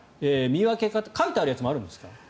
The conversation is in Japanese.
書いてあるやつもあるんですか？